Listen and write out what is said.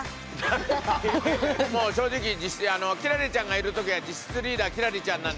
もう正直輝星ちゃんがいる時は実質リーダーは輝星ちゃんなんで。